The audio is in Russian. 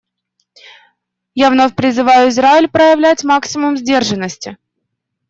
Я вновь призываю Израиль проявлять максимум сдержанности.